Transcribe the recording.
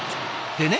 でね